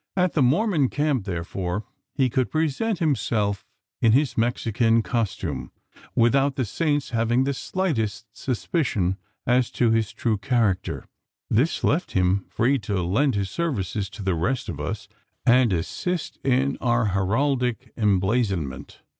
At the Mormon camp, therefore, he could present himself in his Mexican costume, without the Saints having the slightest suspicion as to his true character. This left him free to lend his services to the rest of us, and assist in our heraldic emblazonment.